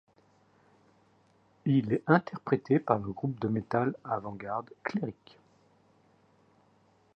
Il est interprété par le groupe de métal avant-garde Cleric.